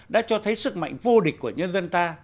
đã cho thấy sức mạnh vô địch của nhân dân ta